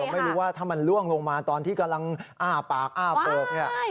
ไม่รู้ว่าถ้ามันล่วงลงมาตอนที่กำลังอ้าปากอ้าโปกเนี่ย